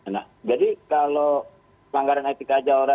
nah jadi kalau pelanggaran etik aja orang